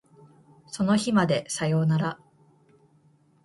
その日までさよなら